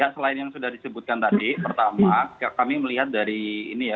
selain yang sudah disebutkan tadi pertama kami melihat dari ini ya